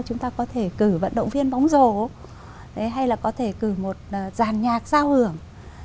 chúng ta có thể cử vận động viên bóng rổ hay là có thể cử một giàn nhạc giao hưởng